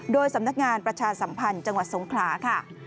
โดยสำนักงานประชาสัมพันธ์จังหวัดสงขลาค่ะ